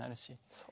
そう。